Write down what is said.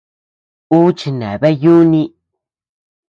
Uu chineabea yúni.